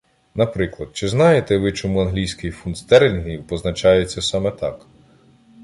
Наприклад, чи знаєте ви, чому англійський фунт стерлінгів позначається саме так?